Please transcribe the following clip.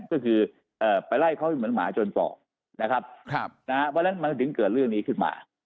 ก็คือไปไล่เขาให้เหมือนหมาจนปอกนะครับเพราะฉะนั้นมันถึงเกิดเรื่องนี้ขึ้นมา